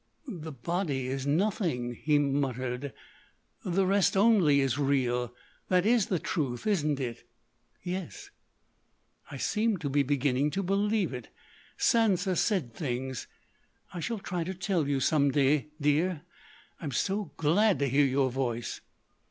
"The body is nothing," he muttered. "The rest only is real. That is the truth, isn't it?" "Yes." "I seem to be beginning to believe it.... Sansa said things—I shall try to tell you—some day—dear.... I'm so glad to hear your voice."